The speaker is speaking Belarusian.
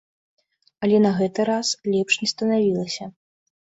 Але на гэты раз лепш не станавілася.